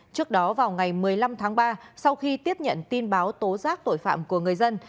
trước đó vào ngày một mươi năm tháng ba sau khi tiếp nhận tin báo tố giác tội phạm của người dân